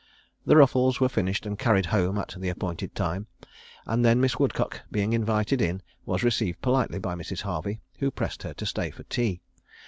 The ruffles were finished and carried home at the appointed time; and then Miss Woodcock being invited in, was received politely by Mrs. Harvey, who pressed her to stay to tea.